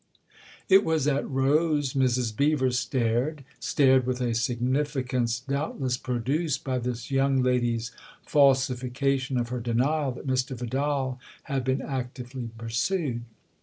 It was at Rose Mrs. Beever stared stared with a significance doubtless produced by this young lady's falsification of her denial that Mr. Vidal had been actively pursued.